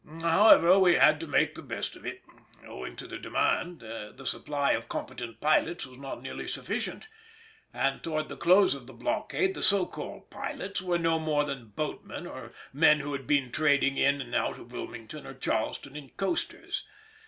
However, we had to make the best of it, as, owing to the demand, the supply of competent pilots was not nearly sufficient, and towards the close of the blockade the so called pilots were no more than boatmen or men who had been trading in and out of Wilmington or Charleston in coasters.